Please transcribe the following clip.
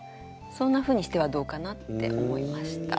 そんなふうにしてはどうかなって思いました。